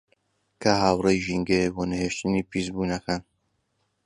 کە هاوڕێی ژینگەیە بۆ نەهێشتنی پیسبوونەکان